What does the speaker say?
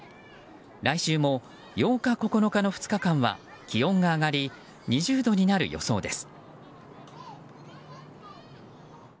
来週も８日、９日の２日間は気温が上がり２０度になる予想です。